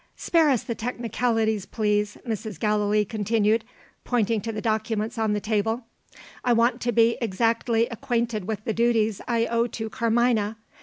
"Spare us the technicalities, please," Mrs. Gallilee continued, pointing to the documents on the table. "I want to be exactly acquainted with the duties I owe to Carmina.